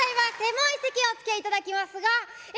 もう一席おつきあいいただきますがえ